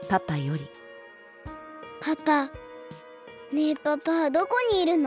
ねえパパはどこにいるの？